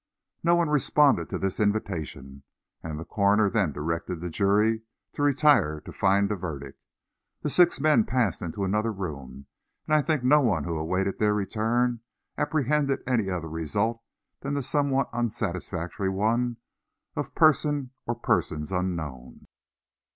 No one responded to this invitation, and the coroner then directed the jury to retire to find a verdict. The six men passed into another room, and I think no one who awaited their return apprehended any other result than the somewhat unsatisfactory one of "person or persons unknown."